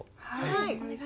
はい。